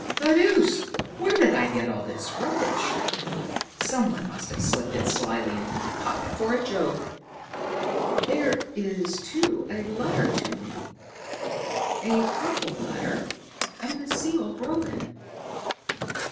The deuce! Where did I get all this rubbish? Some one must have slipped it slyly into my pocket for a joke. There is too a letter to me; a crumpled letter and the seal broken."